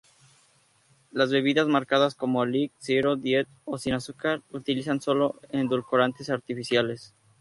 Las bebidas marcadas como "light", "zero", "diet o "sin azúcar" utilizan solo edulcorantes artificiales.